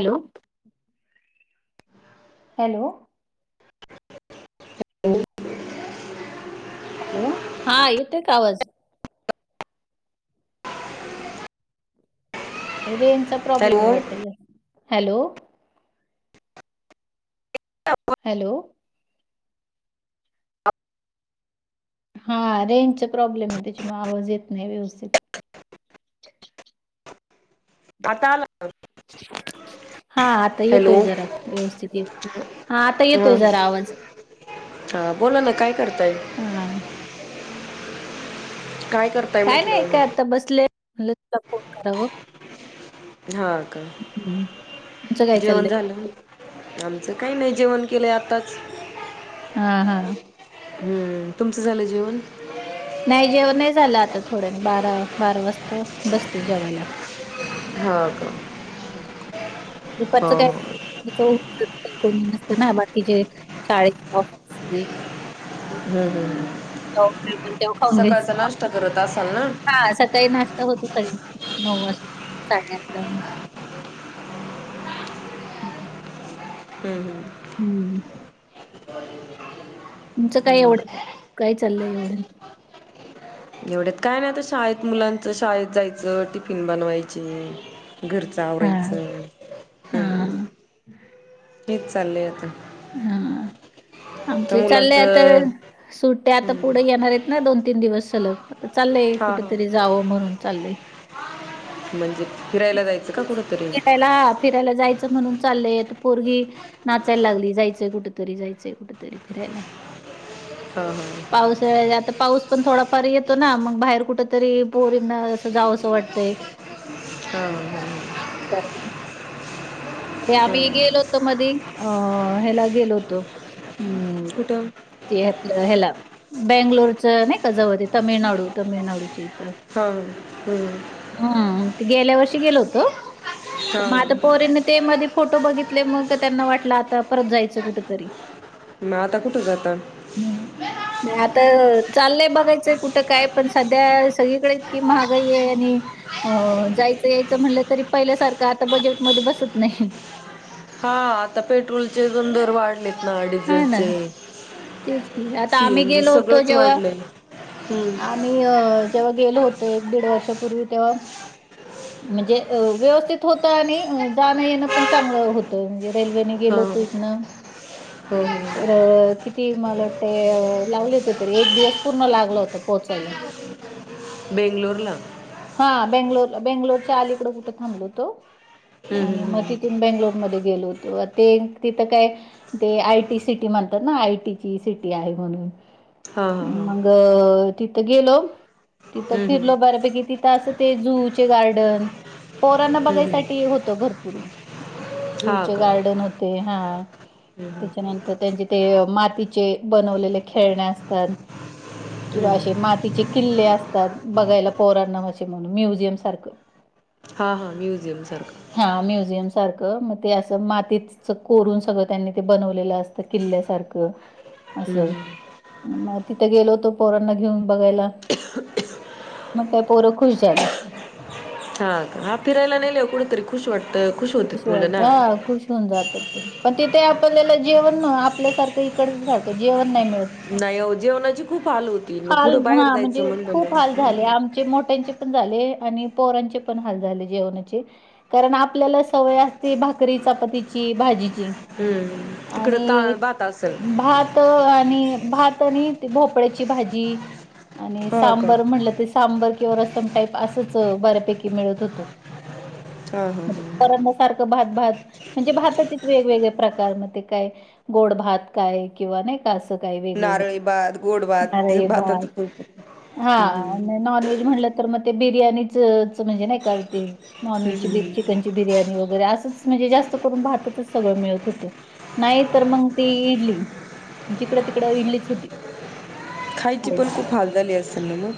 Hello hello hello hello हा येतय का आवाज रेंजचा हॅलो प्रॉब्लेम आहे वाटत हॅलो हॅलो हा रेंजचा प्रॉब्लेम आहे त्याच्या म आवाज येत नाही व्यवस्थित आताला हा आता येतोय जरा व्यवस्थितीत हा आता येतोय जरा आवाज हा बोला ना काय करत हा काय करताय काय नाही म्हटलं काय आता बसले म्ह तुला फोन करावं हा का हम्म. तुमचं काय जेवण चाललंय झालं आमचं काही नाही जेवण केले आता हा हा हम्म तुमचं झालं जेवण नाही जेव नाही झालं आता थोडं बारा बारा वाजता बसते जेवायला हां का हम्म. हो दुपारचं काय हो णी नसत ना बाकीचे शाळे ऑफ हम्म हम् तेव खाऊन घ्यायच करत असाल ना हा सकाळी नाश् नऊ वाजता साडेआातल्याऊ हा हम् हम् हम्म तुमचं काय मग एवढं काय चाललंय एवढं एवढ्यात काय नाही आता शाळेत मुलांच शाळेत जायचं टिफिन बनवायची घरचं हा आवरायचं हा हम्म हेच चाललंय आता हा आमचे तर चालले आता मुलांचं सुट्ट्या आता हम्म पुढे घेणार आहेत ना दोन तीन दिवस सलग चाललंय हा हा कुठेतरी जावं म्हणून चाललंय म्हणजि फिरायला ह फिरायला जायचं म्हणून चाललंय पोरगी नाचायला लागली जायचंय कुठतरी जायचंय कुठतरी फिरायला हा पाऊस वेळ आता पाऊस पण थोडाफार येतो ना मग बाहेर कुठ तरी पोरीना अस जाव असं वाटतंय हा हा हा चचा अरे आम्ही हा. गेलोतो मध्ये अ ह्याला गेलो होतो स्टा हला बेंगलोरच नाही का जवळ ते तमिळनाडू तमिळनाडूची हा हम्म. हम् गेल्या वर्षी गेलो होतो तर हा माझ पोरीनी ते मध्ये फोटो बघितले मग त्यांना वाटलं आता परत जायचं कुठतरी मग आता कुठं जाता म आता चालय बघायचंय कुठं काय पण सध्या सगळीकडे इतकी महागाई आहे आणि जाय याच म्हटलं तरी पहिल्या सारखं आता बजेट मध्ये बसत नाही हा आता पेट्रोलचे गण दर वाढलेत ना हा ना डिझेलचे तेच की आता आम्ही सीएनजी गेलो होतो. सगळंच जेव्हा वाढलंय हम्म आम्ही अ. जेव्हा गेलो होतो एक दीड वर्षपूर्वी तेव्हा, म्हणजे व्यवस्थित होत आणि जाणं येणं पण चांगलं होतं म्हणजे. रेल्वेने गेलो हा होतो इतन. हो हो तर किती मला वाटते. लागले होते तरी एक दिवस पूर्ण लागला. होता पोहोचायला हो [inaudible] बेंगलोर ला. हा बेंगलोर बेंगलोरच्या अलीकड कुठं थांबलो होतो. आणि मग हम्म तिथून बेंगलोर मध्ये गेलोत ते तिथं काय ते आयटी सिटी म्हणतात ना आयटी ची सिटी आहे म्हणून. मग तिथं गेलो तिथं हम्म फिरलो बऱ्यापैकी तिथं असं ते जू चे गार्डन पोरांना हम्म बघायसाठी होतं भरपूर जू हा हा हा हम्म हम्म हम्म हम्म हा चे का गार्डन होते. हा हम्म हम्म त्याच्यानंतर त्यांचे ते मातीचे बनवलेले खेळणे असतात. किंवा असे हम्म मातीचे किल्ले असतात बघायला पोरा माझे म्हणून म्युझियम सारखं हा हा म्युझियम सारखं. हा म्युझियम सारखं ते माती कोरून सगळं त्यांनी ते बनवलेलं असत किल्ल्यासारखं हम्म असं हम [inaudible] मग तिथे गेलो होतो पोरांना घेऊन बघायला मग त्या पोर. खुश झाली. हा फिरायला नाहीेल कुठेतरी खुश वाटत खूष वाट खूष होऊन जात ते पण तिथे आपल्याला जेवण आपल्याला जेवण आपल्यासारखं इकडं तेथे आपल्याला जेवण सारखं जेवण नाही मिळत नाही हो जेवणाची खूप. हाल होती हाल पुढं बाहेर हा जायचं म्हणजे म्हणलं खूप हाल नाही झाले आमचे मोठ्यांचे पण हाल झाले पोराचे पण हाल झाले जेवणाचे कारण आपल्याला सवय असती भाकरी चपाती ची, भाजी हम्म तिकडं ता आणि भात असेल भात आणि भात भोपळ्याची भाजी आणि हो का सांबर म्हणलं ते सांबर किंवा रसम टाईप असंच बऱ्यापैकी मिळत होत. हा हा हा पोरांना सारखं भात भात म्हणजे भाताचेच वेगवेगळे प्रकार म काय गोड भात काय किंवा नाही असं काही वेगवेगळ नारळीभात, गोडभात नारळी भात हा हम्म नॉन व्हेज म्हणलं मग ते बिर्याणी चंच म्हणजे नाही का नॉन हम्म हम्म व्हेजची हम्म. चिकन ची बिर्याणी वगैरे असंच जास्त करून भाताचं सगळं मिळत होत, नाही तर मग ते इडली. जिकडं तिकडं इडलीच होती. खायची पण खायला. खूप हाल झाले असेल ना मग?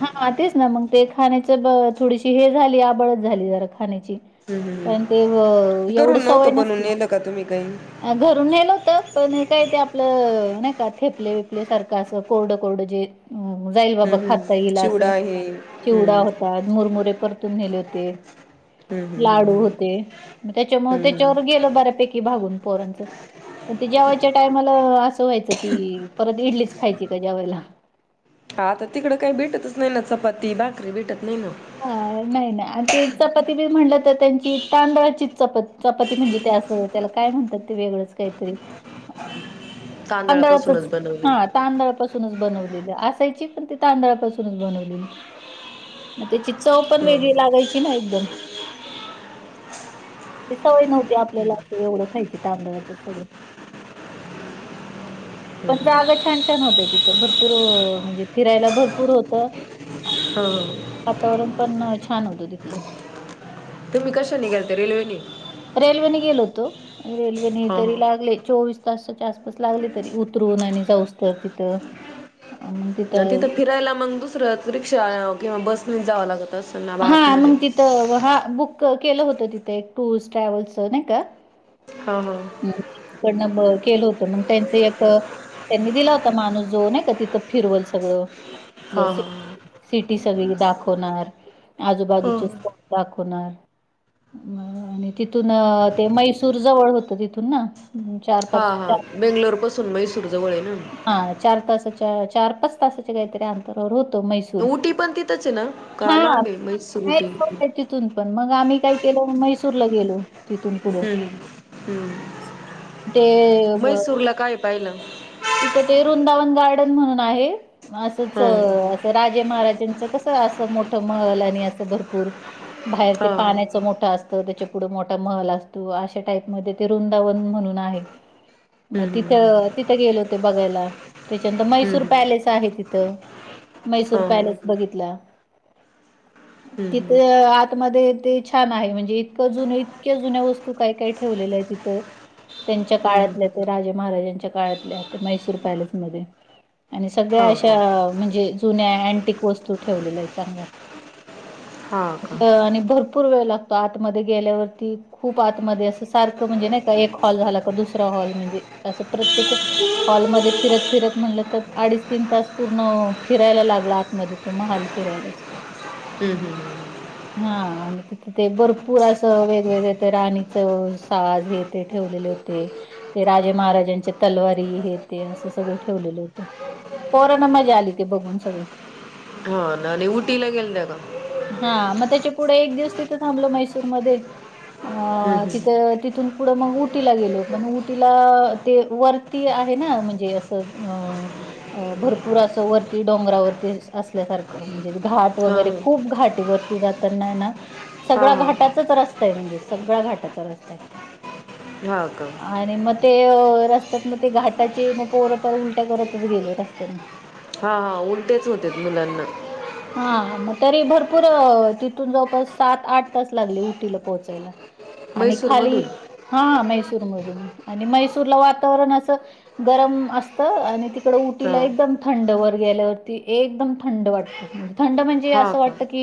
हां, तेच ना मग ते खाण्याच थोडीशी हे झाली, आबळच झाली जरा खाण्याची. हम्म पण हम्म ते एवढं करून सवय नव्हतं बनवून नसती. नेलं का तुम्ही काही घरून नेलं होत पण काय ते आपलं नाही का थेपले, विपले सारखं असं कोरड कोरड जे जाईल बाबा हम्म हम्म. खाता येईल असं चिवडा हे चिवडा हम्म होता, मुरमुरे परत तून नेले होते हम्म हम्म हम्म लाडू हम्म होते. मग त्याच्यामुळे हम्म हम्म. त्याच्यावर गेल बऱ्यापैकी भागून पोरांचं. ते जेवयच्या टायमाला असं व्हायचं की परत इडलीच खायची का जेवायला? हाता तिकडं काही भेटतच नाही ना चपाती, भाकरी भेटत नाही ना? हा नाही नाही आणि ते चपाती बी म्हटलं तर त्यांची तांदळाची चप चपी म्हणजे त्याला काय म्हणतात ते वेगळंच काहीतरी तांदळाचच तांदळापासूनच बनवले हा तांदळापासून बनवलेले असायची पन तांदळा पासून बनली तेची चव पण ह वेगळी लागायची ना एकदम ते सवय नव्हती आपल्याला एवढं खायची तांदळाच सगळ पण जागा छान छान होत तिथं भरपूर म्हणजे फिरायला भरपूर होत हो वातावरण पण छान होत तिथलं मी कश निघालते रेल्वे रेल्वेने गेलोतो रेल्वेने ह तरी ह लागले चोवीस तस्तच्या आसपास लागले तरी उतरून आणि जाऊस् तर तिथं अ, मग तिथं फिरायला मग दुसरं रिक्षा किंवा बस म जावं लागत असेल ना हा आतमध्ये मग तिथं ह बुक केलं होतं तिथे टूर्स ट्रॅव्हल्सच नाही का हा हा ह तकडनं बघ केलं होत मग त्यांच एक त्यांनी दिला होता माणूस जोन आहे का तिथं फिरवल सगळं आप हा हा सिटी सगळी दाखवणार हो आजूबाजूचे दाखवणार आणि तिथून ते मैसूर जवळ हो तिथून ना हा हा बेंगलोर पासून मसुरू हा चार तासाच्या चार पाच तासाच्या काहीतरी अंतर होत मैसूर उटी पण तिथंच आहे ना का हा लांब आहे म्हैसूर उटी तिथून पण मग आम्ही काय केलं मैसूर ला गेलो तिथून पुढं हम्म हम्म ते म्हैसूरला काय पाहिलं तिथे ते वृंदावन गार्डन म्हणून आहे असंच हा अस राजे महाराजे त्यांच कस अस मोठ महल आणि असं भरपूर बाहेर ते हा पाण्याच मोठं असत त्याच्या पुढे मोठा महल असतो अशा टाईप मध्ये ते वृंदावन म्हणून आहे म हम्म तीथ तीथ गेल होतो बघायला त्याच्यानंतर मैसूर हम्म पॅलेस आहे तिथ हम्म मैसूर हम्म हम्म पॅलेस बघितला हम्म तिथे आतमध्ये ते छान आहे म्हणजे इतकं जुन्या इतक्या जुन्या वस्तू काय काय ठेवलेल्या आहेत तिथ त्यांच्या हम्म हम्म काळातल्या ते राजे महाराजांच्या काळातल्या मैसूर पॅलेसमध्येध्ये आणि हम्म सगळ्या हो का अशा म्हणजे जुन्या अंटिक वस्तू ठेवलेल्या आहेत चांगल्या हा का आणि भरपूर वेळ लागतो आतमध्ये गेल्यावरती खूप आतमध्ये असं सारखं म्हणजे नाही का एक हॉल झाला का दुसरा हॉल म्हणजे असं प्रत्येक हॉलमध्येध्ये फिरत फिरत म्हणलं तर अडीच तीन तास पूर्ण फिरायला लागला आतमध्ये तो महाल फिरत ला हम् हम हा तिथे ते भरपूर असं वेगवेगळ राणीचं साज हे ते ठ ठेवलेले होते ते राजे महाराजांच्या तलवारी असं सगळं ठेवलेलं होतं कोरोना मजा आली ते बघून सगळं हा आणि उटीला गेल त्या का ह मग त्याच्या पुढे एक दिवस तिथ थांबल मैसूर म हम्म, हम्म. तिथ पुढ मग उटीला गेलो उटीला ते वरती आहे ना म्हणजे अस भरपूर असं वरती डोंगरावरती असल्यासारख म्हणजे घाट हा वगैरे हा खूप घाटीवररती जाताना ना हा सगळ्या हा घाटाचाच रस्ता आहे म्हणजे सगळा घाटाचा रस्ता आहे हा का आणि मग ते रस्त्यात मग ते घाट टाचे मग पोरपर उलट्या करतच गेले रस्त्याने हा हा उलटेच होते मुलांना. हा मग तरी भरपूर तिथून जवळपास सात, आठ तास लागले उटीला पोहोचायला. आणि खाली म्हैसूरमधून हा मै मैसुर मधून आणि मैसूर च वातावरण असं गरम असतं आणि तिक तिकड हा उटीला एकदम थंड वर गेल्यावरती एकदम थंड वाटतं म्हण थंड म्हणजे हा असं का वाटतं की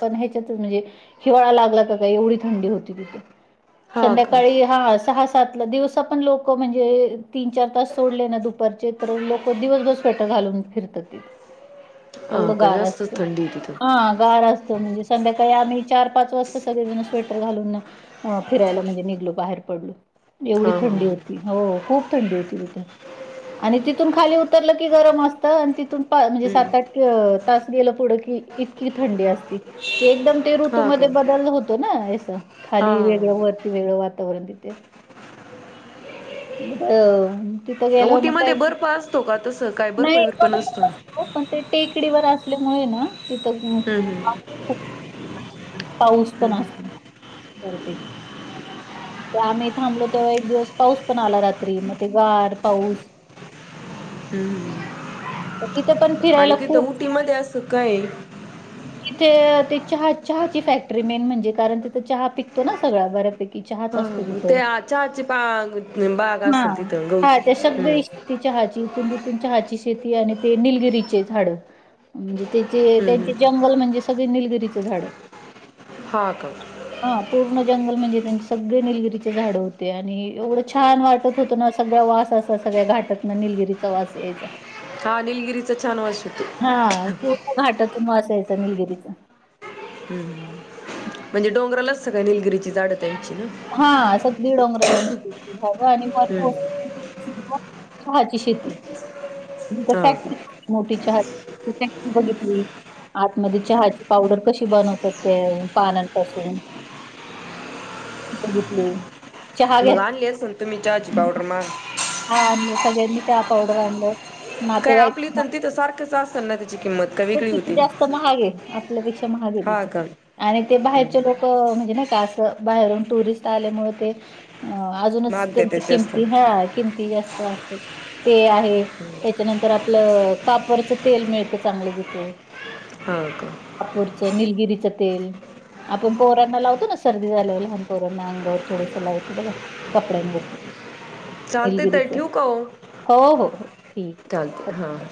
पण ह्याच्यात म्हणजे हिवाळा लागला का काय एवढी थंडी होती तिथे. हा का संध्याकाळी हा सहा सातला दिवसा पण लोक म्हणजे तीन, चार तास सोडले ना दुपारचे तर लोक दिवसभर स्वेटर घालून फिरतात. हा एवढा का गार जास्तच असतं. थंडी आहे तिथं हा गार असत मनजे संध्याकाळी आम्ही चार, पाच वाजता सगळेजण स्वेटर घालून फिरायला म्हणजे निघलो, बाहेर पडलो. एवढी हा हा थंडी हा. होती. हो खूप थंडी होती तिथे. आणि तिथून खाली उतरलं की गरम असतं आणि तिथून म्हणजे सात, हम्म आठ तास गेलं पुढं की इतकी थंडी असती. एकदम ते हा का ऋतूमध्येध बदल होतो ना यास हा खाली हा हा. वेगळं वरती वेगळं वातावरण तिथे. अ तिथं गेल्यावर मग का उटीमध्ये बर्फ असतो का तसं काय बर्फ बिर्फ नसतो नाहीपण टेक टेकडीवर असल्यामुळे ना तिथं हम्म हम्म पाऊस पण हम्म असत बऱ्यापै मग आम्ही थांबलो तेव्हा एक दिवस पाऊस पण आला रात्री मग ते गार पाऊस हम्म तर तिथे पण आणि फिरायला खूप तिथं उटी मध्ये अस काय? तिथे ते चहा चहा ची फॅक्टरी मेन म्हणजे कारण तिथं चहा पिकतो ना सगळ बऱ्या पैकी की चहाच हा हा. असतो. मग ते आ- चहाची पा बाग [unintelligible] हा असेल तिथं ह गवत त्या शबद हम्म इ ति चहाची इथून तिथून चहाची शेती आणि ते निलगिरीचे झाड म्हणजे त्या हम्म हम्म त्यांचे जंगल म्हणजे स म्हणजे निलगिरी चे झाड हा का हा पूर्ण जंगल मनजे सगळे निलगिरीचे झाड होते आणि एवढं छान वाटत होतं ना सगळ्या वास अस सगळ्या घाटात ना निलगिरी चा वास यायचा हा निलगिरीचा छान वास येतो हा पूर्ण घाटतून वास यायच निलगिरीचा. हम् म्हणजे डोंगरालाचत काय निलगिरी ची झाड हा सगळी डोंगराला निलगिरीची झाड आणि वर हम्म. पाऊस चहाची शेती हा का. फॅक्ट मोठी [unintelligible] बघितली. आतमध्ये चहाची पावडर कशी बनवतात ते पानांपासून बघितले. चहा घे मग आणली असेल तुम्ही चहाची पावडर माग हा आनल. सगळ्यांनी चहा पावडर आणलं. काय आपली इथ न तिथ सारखंच असतना ते तर तिथे जास्त महागे आपल्यापेक्षा महागे हा तिथ. का आणि ते बाहेरचे लोक म्हणजे नाही का असं बाहेरून टुरिस्ट आल्यामुळे ते अ अजूनच महाग द्या त्यांच्या त्याची किमती हा असतात किमती जास्त. ते आहे त्याच्यानंतर आपलं कापू रचं तेल मिळतं चांगलं तिथं. हा का कापूरचं निलगिरीचं तेल. आपण पोरांना लावतो ना सर्दी झाल्यावर लहान पोरांना अंगावर थोडंसं लावतो बघा कपड्यांवरती [unintelligible] चालते तर निलगिरीचा ठेवू का हो हो हो हो ठीक चालते हां आहे.